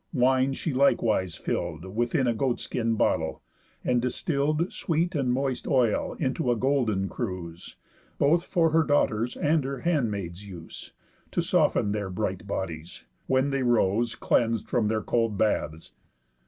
Wine she likewise fill'd Within a goat skin bottle, and distill'd Sweet and moist oil into a golden cruse, Both for her daughter's, and her handmaid's, use, To soften their bright bodies, when they rose Cleans'd from their cold baths.